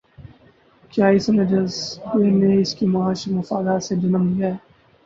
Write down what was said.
کیا اس جذبے نے ان کے معاشی مفادات سے جنم لیا ہے؟